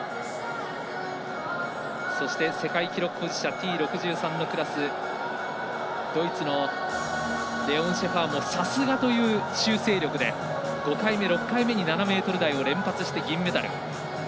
そして、世界記録保持者Ｔ６３のクラスドイツのレオン・シェファーもさすがという修正力で５回目、６回目で７ｍ台を連発して銀メダル。